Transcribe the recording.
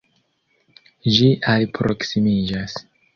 Ĝi alproksimiĝas.